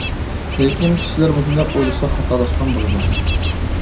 لېكىن، كىشىلەر مۇشۇنداق ئويلىسا خاتالاشقان بولىدۇ.